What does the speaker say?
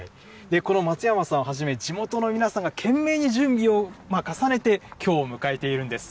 この松山さんをはじめ、地元の皆さんが懸命に準備を重ねて、きょうを迎えているんです。